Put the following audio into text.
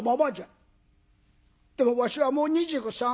「でもわしはもう２３。